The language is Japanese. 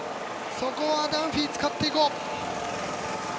そこはダンフィー使っていこう。